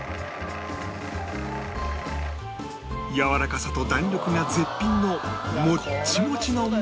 やわらかさと弾力が絶品のもっちもちの餅に！